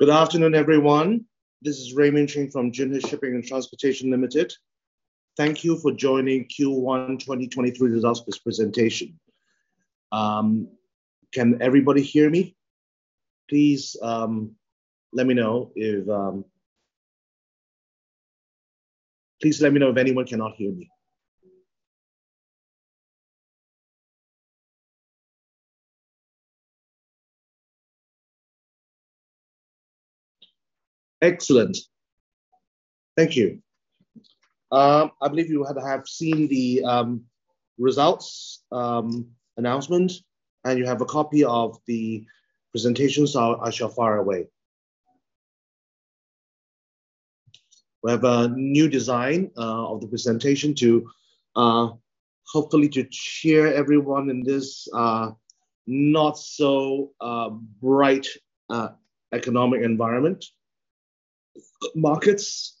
Good afternoon, everyone. This is Raymond Ching from Jinhui Shipping and Transportation Limited. Thank you for joining Q1 2023 results presentation. Can everybody hear me? Please let me know if anyone cannot hear me. Excellent. Thank you. I believe you would have seen the results announcement, and you have a copy of the presentation, so I shall fire away. We have a new design of the presentation to hopefully to cheer everyone in this not so bright economic environment. Markets.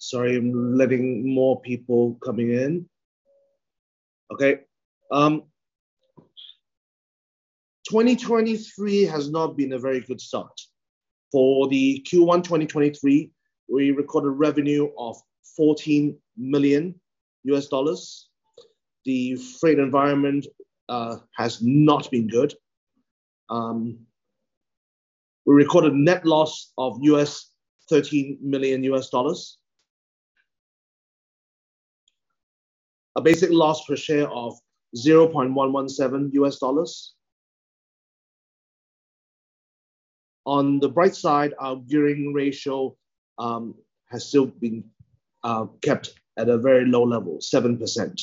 Sorry, I'm letting more people coming in. Okay. 2023 has not been a very good start. For the Q1 2023, we recorded revenue of $14 million. The freight environment has not been good. We recorded net loss of $13 million. A basic loss per share of $0.117. On the bright side, our gearing ratio has still been kept at a very low level, 7%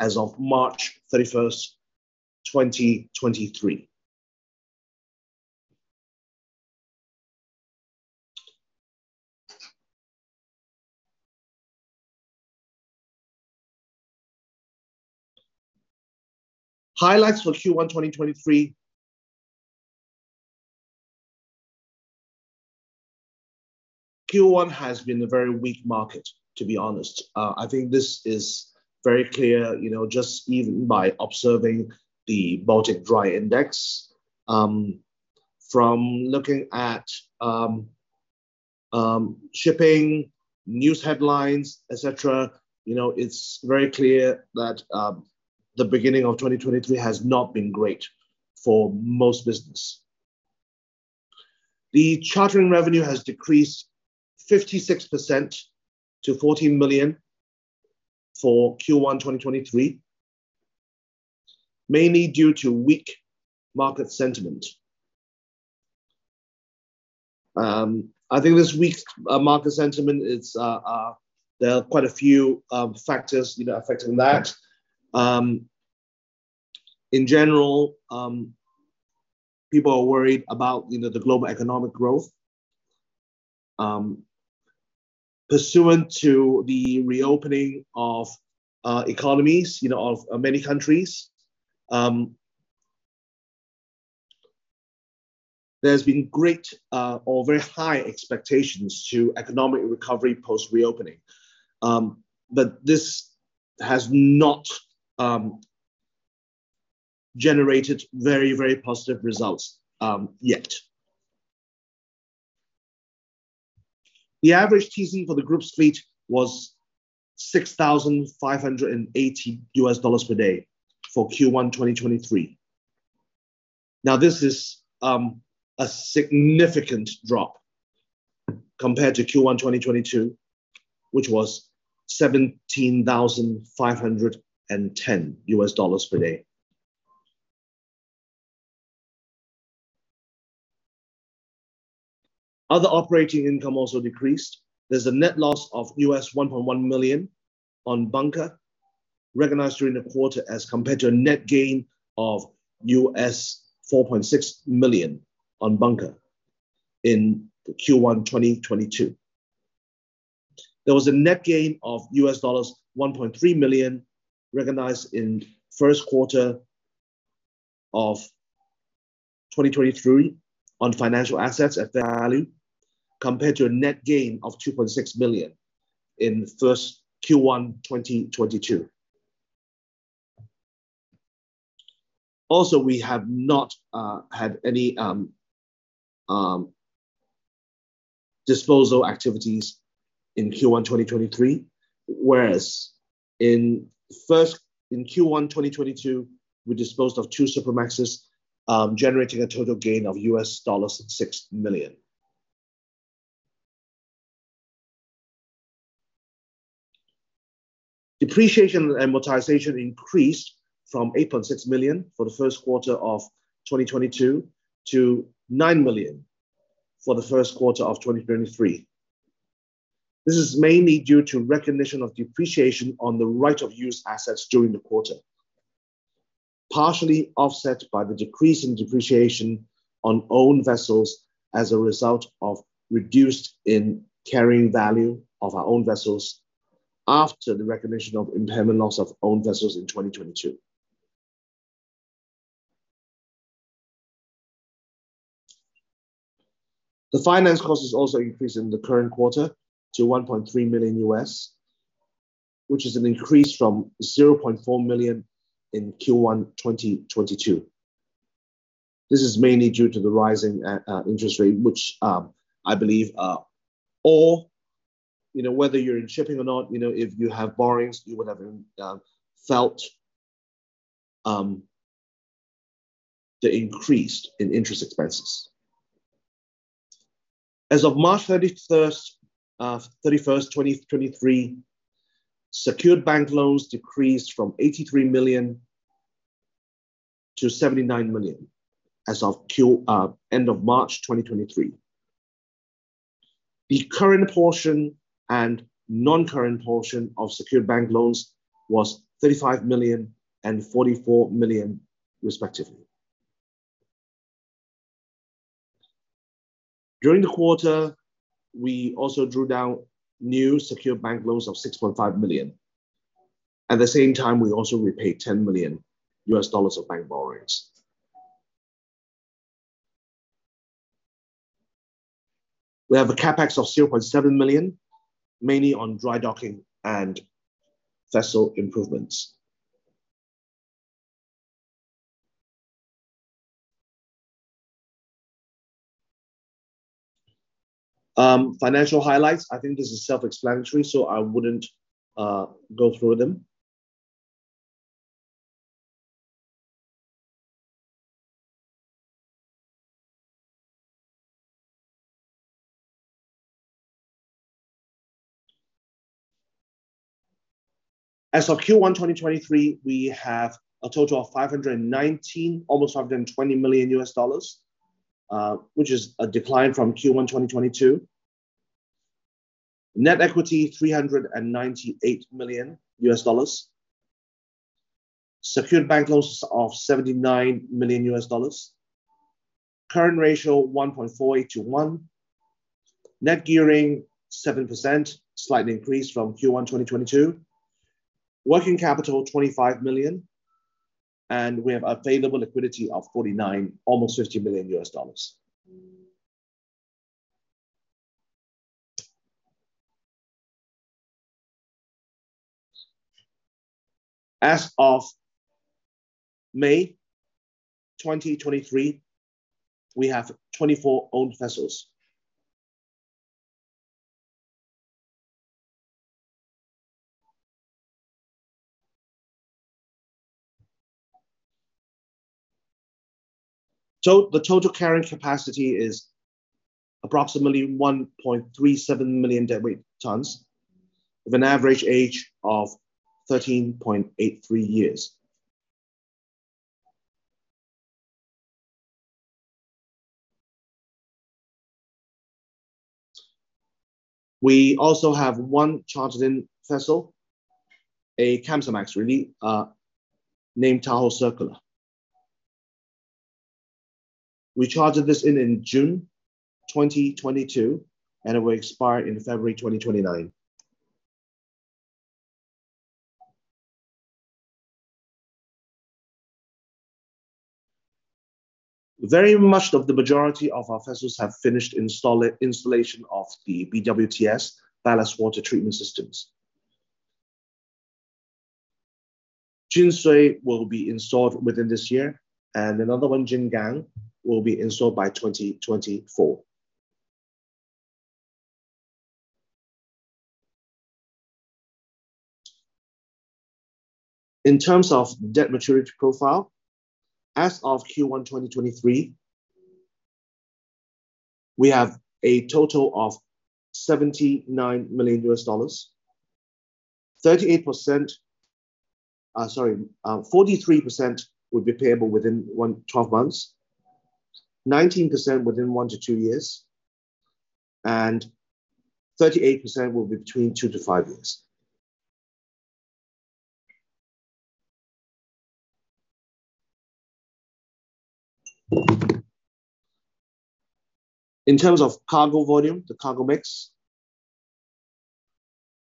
as of March 31st, 2023. Highlights for Q1 2023. Q1 has been a very weak market, to be honest. I think this is very clear, you know, just even by observing the Baltic Dry Index. From looking at shipping, news headlines, et cetera, you know, it's very clear that the beginning of 2023 has not been great for most business. The chartering revenue has decreased 56% to $14 million for Q1 2023, mainly due to weak market sentiment. I think this weak market sentiment, it's. There are quite a few factors, you know, affecting that. In general, people are worried about, you know, the global economic growth. Pursuant to the reopening of economies, you know, of many countries, there's been great or very high expectations to economic recovery post-reopening. This has not generated very, very positive results yet. The average TC for the group's fleet was $6,580 per day for Q1 2023. This is a significant drop compared to Q1 2022, which was $17,510 per day. Other operating income also decreased. There's a net loss of $1.1 million on bunker, recognized during the quarter, as compared to a net gain of $4.6 million on bunker in Q1 2022. There was a net gain of $1.3 million, recognized in first quarter of 2023 on financial assets at fair value, compared to a net gain of $2.6 million in first Q1 2022. Also, we have not had any disposal activities in Q1 2023, whereas In Q1 2022, we disposed of two Supramaxes, generating a total gain of $6 million. Depreciation and amortization increased from $8.6 million for the first quarter of 2022 to $9 million for the first quarter of 2023. This is mainly due to recognition of depreciation on the right of use assets during the quarter, partially offset by the decrease in depreciation on owned vessels as a result of reduced in carrying value of our own vessels after the recognition of impairment loss of owned vessels in 2022. The finance cost is also increased in the current quarter to $1.3 million, which is an increase from $0.4 million in Q1 2022. This is mainly due to the rising interest rate, which I believe all, you know, whether you're in shipping or not, you know, if you have borrowings, you would have felt the increase in interest expenses. As of March 31, 2023, secured bank loans decreased from $83 million to $79 million as of end of March 2023. The current portion and non-current portion of secured bank loans was $35 million and $44 million, respectively. During the quarter, we also drew down new secured bank loans of $6.5 million. At the same time, we also repaid $10 million of bank borrowings. We have a CapEx of $0.7 million, mainly on dry docking and vessel improvements. Financial highlights, I think this is self-explanatory, I wouldn't go through them. As of Q1 2023, we have a total of $519 million, almost $520 million, which is a decline from Q1 2022. Net equity, $398 million. Secured bank loans of $79 million. Current ratio, 1.48 to 1. Net gearing, 7%, slight increase from Q1 2022. Working capital, $25 million, we have available liquidity of $49 million, almost $50 million. As of May 2023, we have 24 owned vessels. The total carrying capacity is approximately 1.37 million deadweight tons, with an average age of 13.83 years. We also have one chartered-in vessel, a Kamsarmax, really, named Tahoe Circular. We chartered this in June 2022, and it will expire in February 2029. Very much of the majority of our vessels have finished installation of the BWTS, ballast water treatment systems. Jin Hui will be installed within this year, and another one, Jin Gang, will be installed by 2024. In terms of debt maturity profile, as of Q1 2023, we have a total of $79 million. 43% will be payable within 1, 12 months, 19% within 1-2 years, and 38% will be between 2-5 years. In terms of cargo volume, the cargo mix,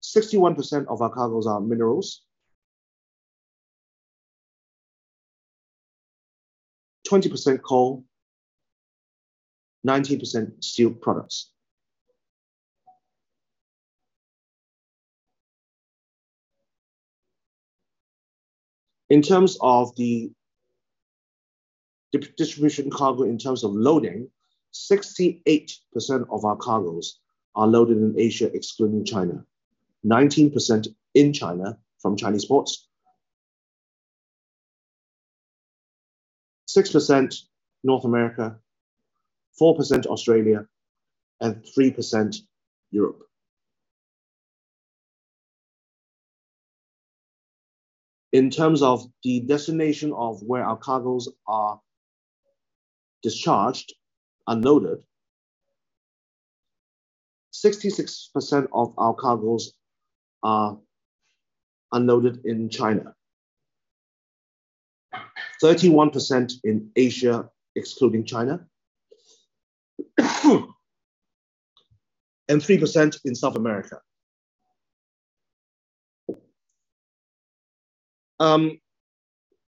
61% of our cargoes are minerals, 20% coal, 19% steel products. In terms of the distribution cargo, in terms of loading, 68% of our cargoes are loaded in Asia, excluding China, 19% in China, from Chinese ports, 6% North America, 4% Australia, and 3% Europe. In terms of the destination of where our cargoes are discharged, unloaded, 66% of our cargoes are unloaded in China, 31% in Asia, excluding China, and 3% in South America.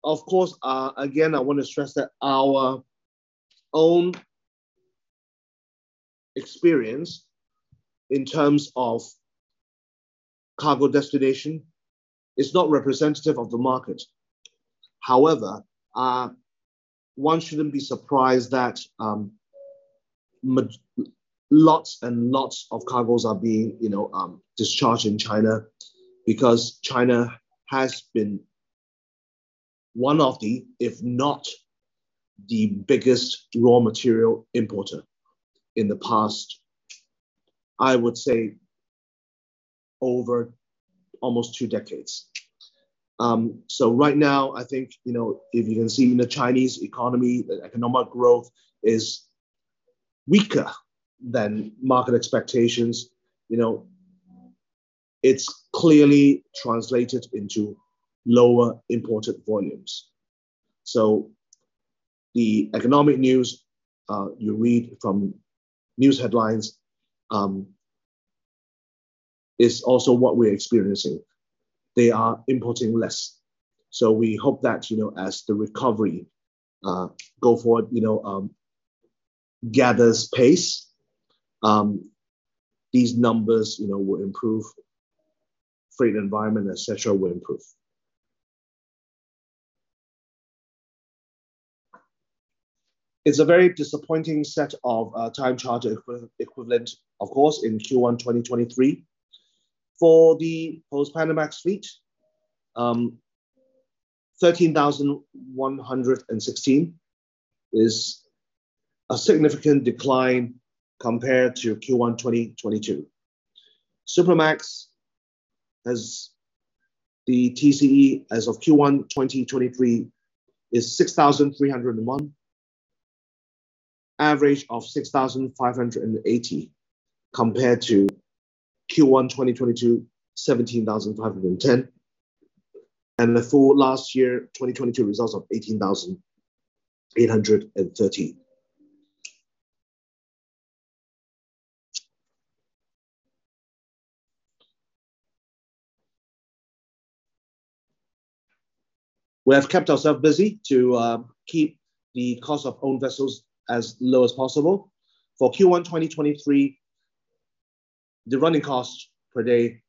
Of course, again, I want to stress that our own experience in terms of cargo destination is not representative of the market. However, one shouldn't be surprised that lots and lots of cargoes are being, you know, discharged in China, because China has been one of the, if not the biggest, raw material importer in the past, I would say, over almost two decades. Right now, I think, you know, if you can see in the Chinese economy, the economic growth is weaker than market expectations, you know, it's clearly translated into lower imported volumes. The economic news you read from news headlines is also what we're experiencing. They are importing less. We hope that, you know, as the recovery go forward, you know, gathers pace, these numbers, you know, will improve. Freight environment, et cetera, will improve. It's a very disappointing set of time charter equivalent, of course, in Q1 2023. For the post-Panamax fleet, $13,116 is a significant decline compared to Q1 2022. Supramax has the TCE as of Q1, 2023, is $6,301, average of $6,580, compared to Q1, 2022, $17,510, and the full last year, 2022, results of $18,813. We have kept ourselves busy to keep the cost of owned vessels as low as possible. For Q1, 2023, the running cost per day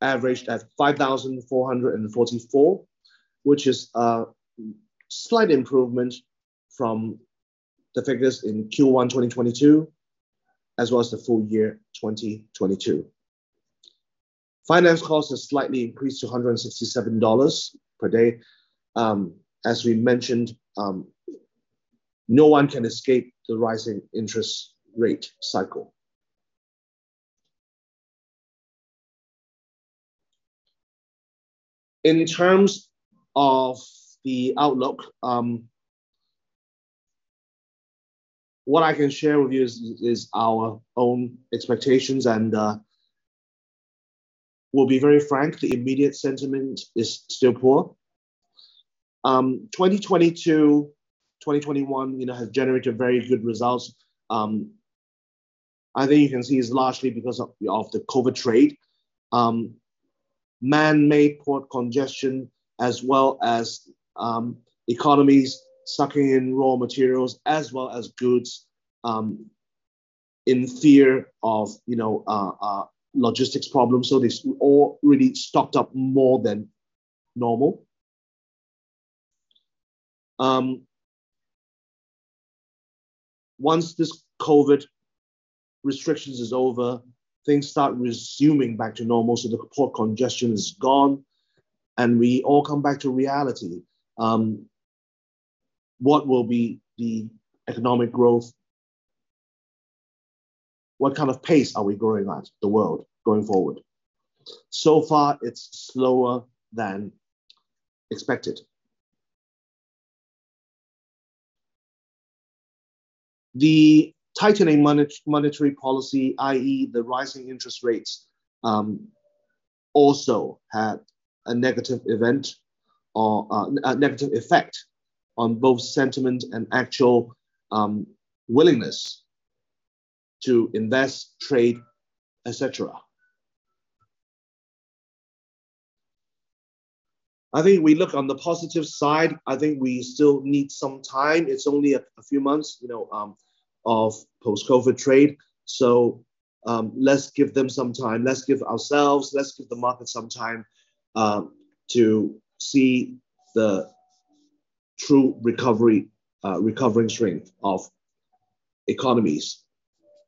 averaged at $5,444, which is a slight improvement from the figures in Q1, 2022, as well as the full year, 2022. Finance costs have slightly increased to $167 per day. As we mentioned, no one can escape the rising interest rate cycle. In terms of the outlook, what I can share with you is our own expectations, we'll be very frank, the immediate sentiment is still poor. 2022, 2021, you know, has generated very good results. I think you can see it's largely because of the COVID trade, man-made port congestion, as well as economies sucking in raw materials, as well as goods, in fear of, you know, logistics problems. They all really stocked up more than normal. Once this COVID restrictions is over, things start resuming back to normal, the port congestion is gone, we all come back to reality. What will be the economic growth? What kind of pace are we growing at, the world, going forward? So far, it's slower than expected. The tightening monetary policy, i.e., the rising interest rates, also had a negative event or a negative effect on both sentiment and actual willingness to invest, trade, et cetera. I think we look on the positive side, I think we still need some time. It's only a few months, you know, of post-COVID trade, so let's give them some time. Let's give ourselves, let's give the market some time to see the true recovery, recovering strength of economies,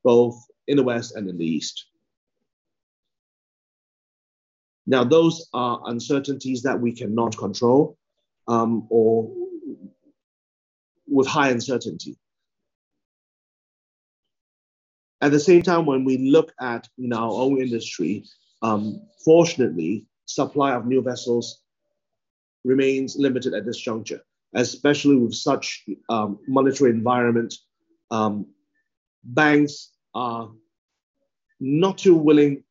both in the West and in the East. Now, those are uncertainties that we cannot control or with high uncertainty. At the same time, when we look at in our own industry, fortunately, supply of new vessels remains limited at this juncture, especially with such monetary environment. Banks are not too willing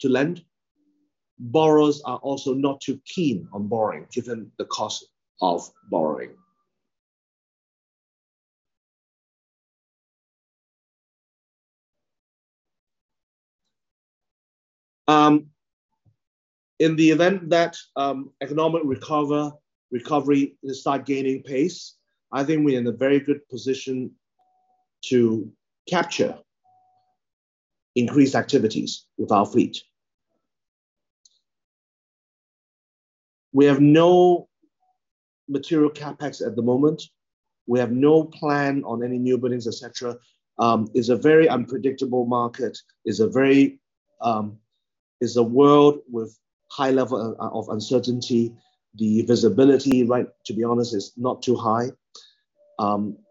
to lend. Borrowers are also not too keen on borrowing, given the cost of borrowing. In the event that economic recovery will start gaining pace, I think we're in a very good position to capture increased activities with our fleet. We have no material CapEx at the moment. We have no plan on any new buildings, et cetera. It's a very unpredictable market, is a very, is a world with high level of uncertainty. The visibility, right, to be honest, is not too high.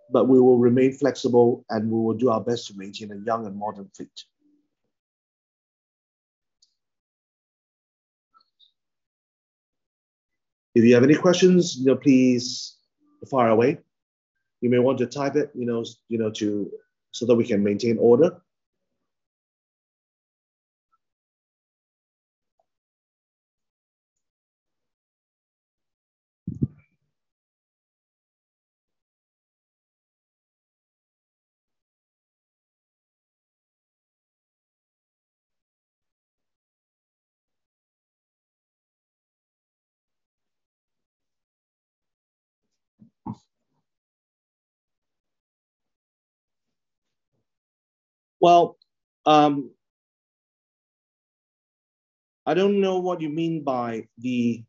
We will remain flexible, and we will do our best to maintain a young and modern fleet. If you have any questions, you know, please fire away. You may want to type it, you know, you know, so that we can maintain order. Well, I don't know what you mean by the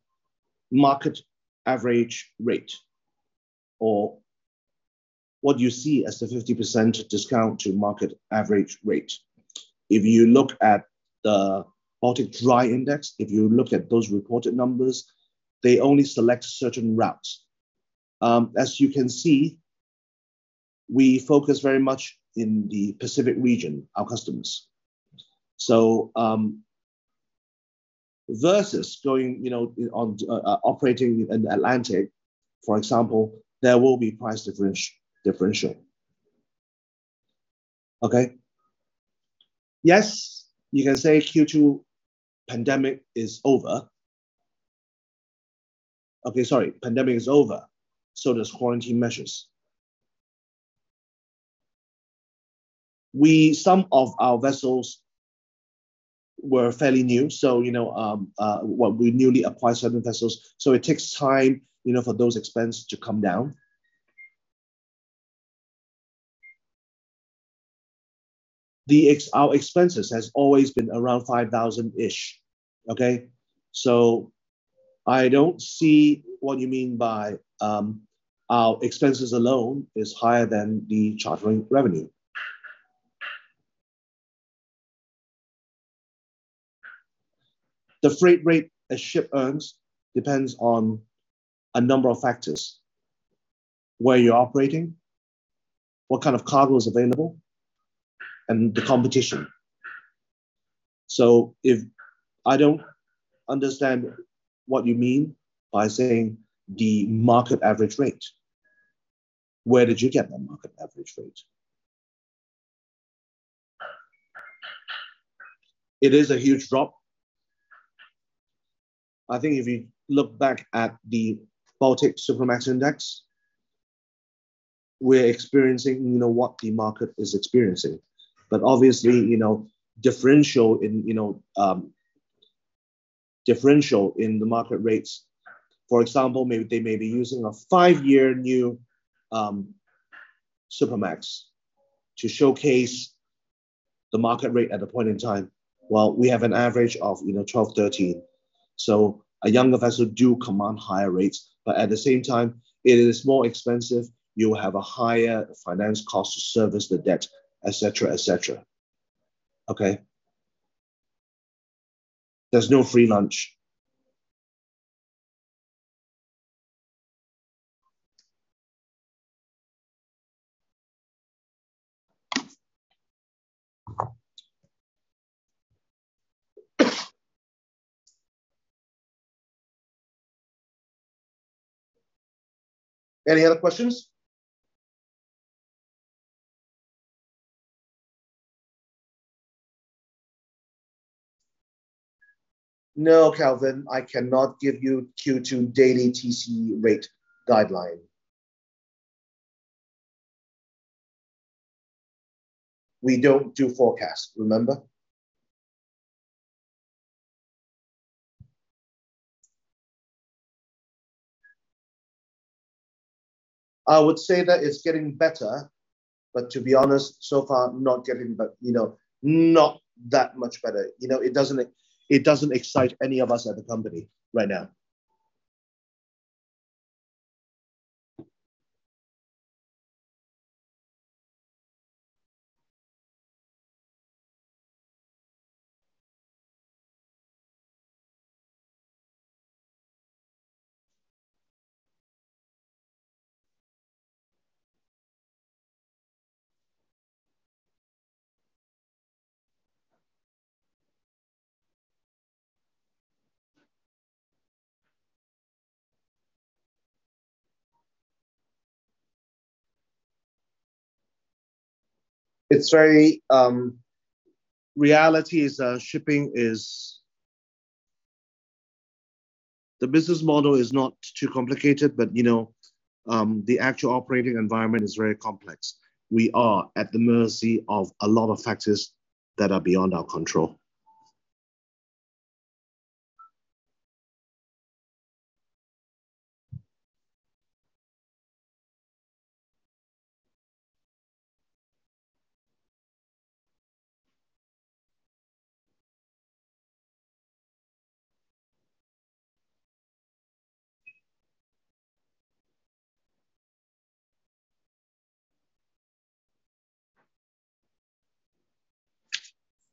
market average rate or what you see as the 50% discount to market average rate. If you look at the Baltic Dry Index, if you look at those reported numbers, they only select certain routes. As you can see, we focus very much in the Pacific region, our customers. Versus going, you know, operating in Atlantic, for example, there will be price differential. Okay? Yes, you can say Q2 pandemic is over. Okay, sorry, pandemic is over, so does quarantine measures. Some of our vessels were fairly new, so, you know, well, we newly acquired certain vessels, so it takes time, you know, for those expenses to come down. Our expenses has always been around $5,000-ish. Okay? I don't see what you mean by our expenses alone is higher than the chartering revenue. The freight rate a ship earns depends on a number of factors: where you're operating, what kind of cargo is available, and the competition. If I don't understand what you mean by saying the market average rate, where did you get that market average rate? It is a huge drop. I think if you look back at the Baltic Supramax Index, we're experiencing, you know, what the market is experiencing. Obviously, you know, differential in, you know, differential in the market rates. For example, maybe they may be using a five-year new Supramax to showcase the market rate at a point in time, while we have an average of, you know, 12, 13. A younger vessel do command higher rates, but at the same time, it is more expensive. You will have a higher finance cost to service the debt, et cetera, et cetera. Okay? There's no free lunch. Any other questions? No, Calvin, I cannot give you Q2 daily TC rate guideline. We don't do forecast, remember? I would say that it's getting better, but to be honest, so far, not getting better, you know, not that much better. You know, it doesn't excite any of us at the company right now. It's very. Reality is, shipping is. The business model is not too complicated, but, you know, the actual operating environment is very complex. We are at the mercy of a lot of factors that are beyond our control.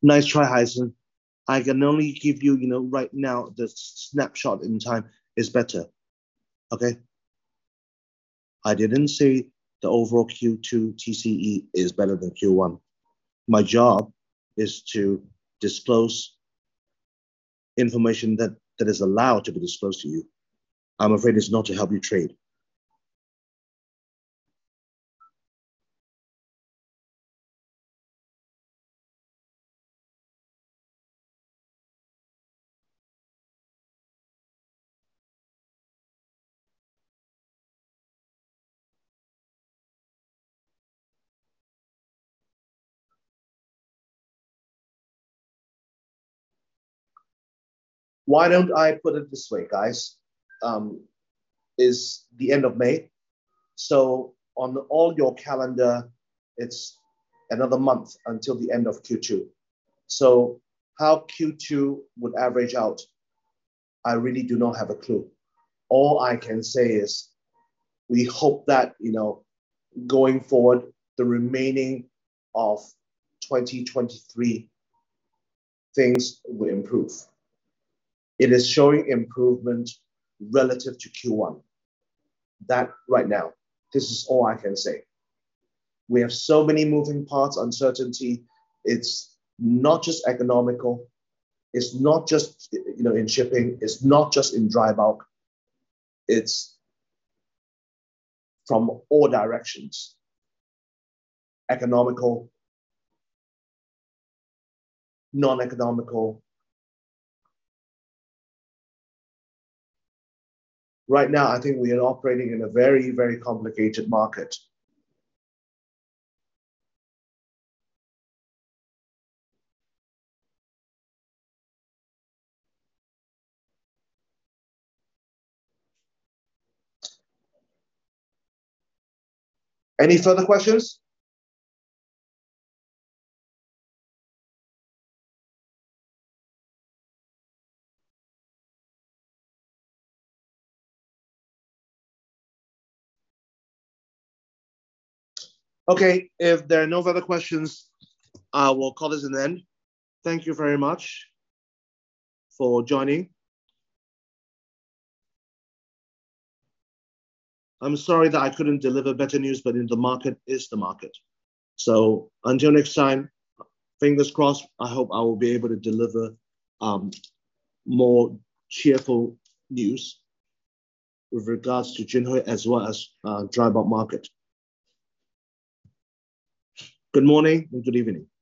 Nice try, Hyson. I can only give you know, right now, the snapshot in time is better. Okay? I didn't say the overall Q2 TCE is better than Q1. My job is to disclose information that is allowed to be disclosed to you. I'm afraid it's not to help you trade. Why don't I put it this way, guys? It's the end of May, on all your calendar, it's another month until the end of Q2. How Q2 would average out, I really do not have a clue. All I can say is we hope that, you know, going forward, the remaining of 2023, things will improve. It is showing improvement relative to Q1. Right now, this is all I can say. We have so many moving parts, uncertainty. It's not just economical, it's not just, you know, in shipping, it's not just in dry bulk. It's from all directions: economical, non-economical. Right now, I think we are operating in a very complicated market. Any further questions? If there are no further questions, I will call this an end. Thank you very much for joining. I'm sorry that I couldn't deliver better news, the market is the market. Until next time, fingers crossed, I hope I will be able to deliver more cheerful news with regards to Jinhui as well as dry bulk market. Good morning and good evening. Thank you.